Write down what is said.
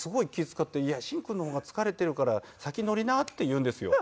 使って「いや審君の方が疲れているから先乗りな」って言うんですよ。